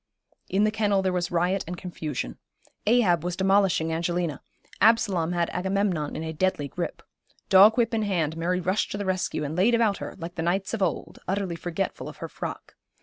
In the kennel there was riot and confusion. Ahab was demolishing Angelina, Absalom had Agamemnon in a deadly grip. Dog whip in hand, Mary rushed to the rescue, and laid about her, like the knights of old, utterly forgetful of her frock.